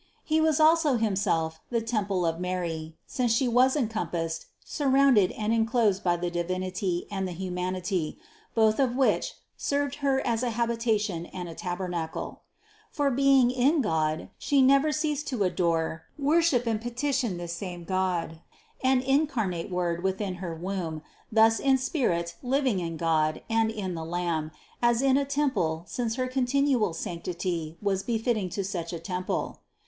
He was also Himself the temple of Mary, since She was encompassed, sur rounded and enclosed by the Divinity and the humanity, both of which served Her as a habitation and a taber nacle. For being in God, she never ceased to adore, wor ship and petition this same God and incarnate Word within her womb thus in spirit living in God and in the Lamb as in a temple since her continual sanctity was be fitting to such a temple.